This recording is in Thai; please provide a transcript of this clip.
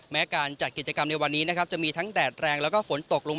แม้การจัดกิจกรรมในวันนี้จะมีทั้งแดดแรงและฝนตก